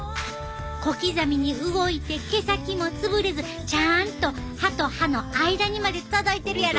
小刻みに動いて毛先も潰れずちゃんと歯と歯の間にまで届いてるやろ。